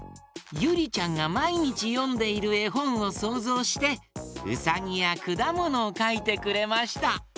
ゆりちゃんがまいにちよんでいるえほんをそうぞうしてうさぎやくだものをかいてくれました。